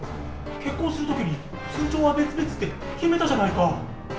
結婚するときに通帳は別々って、決めたじゃないか。